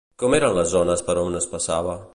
Com eren les zones per on es passava?